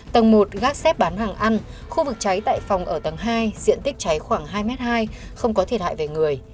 tầng một gác xếp bán hàng ăn khu vực cháy tại phòng ở tầng hai diện tích cháy khoảng hai m hai không có thiệt hại về người